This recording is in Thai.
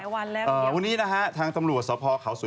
วันนี้ทางตำรวจท